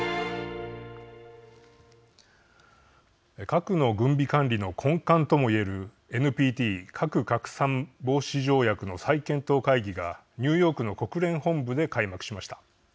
核の軍備管理の根幹ともいえるＮＰＴ＝核拡散防止条約の再検討会議がニューヨークの国連本部で開幕しました。